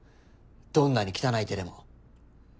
どんなに汚い手でも。